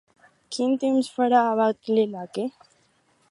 Quin temps farà a Battle Lake?